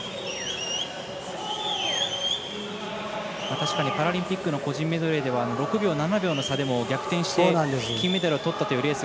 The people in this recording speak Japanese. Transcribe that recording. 確かにパラリンピックの個人メドレーでは６秒、７秒の差でも逆転して金メダルをとったというレース